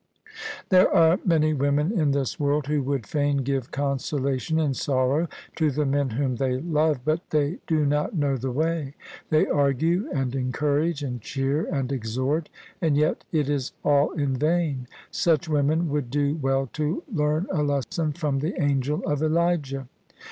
There are many women in this world who would fain give consolation in sorrow to the men whom they love: but they do not know the way. They argue and encourage and cheer and exhort, and yet it is all in vain. Such women would do well to learn a lesson from the angel of Elijah.